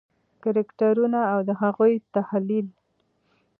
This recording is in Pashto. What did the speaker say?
کرکټرونه او د هغوی تحلیل: